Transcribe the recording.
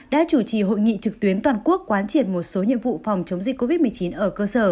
đã chủ trì hội nghị trực tuyến toàn quốc quán triệt một số nhiệm vụ phòng chống dịch covid một mươi chín ở cơ sở